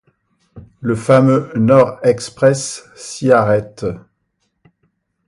Le fameux Nord-Express s'y arrête.